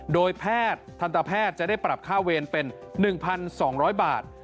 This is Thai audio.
โดยแพทย์ทันตแพทย์จะได้ปรับค่าเวรเป็น๑๒๐๐บาท